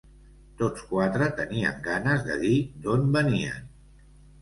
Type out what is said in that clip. Tots quatre tenien ganes de dir d'on venien.